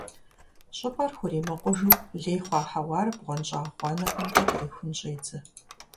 ЩIыпIэр хуримыкъужу лей хъуа хьэуар бгъуэнщIагъ гъуанэхэмкIэ кърихун щIедзэ.